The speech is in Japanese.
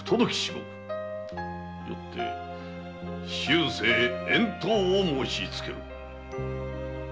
よって終生遠島を申しつける！